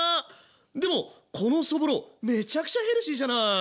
でもこのそぼろめちゃくちゃヘルシーじゃない！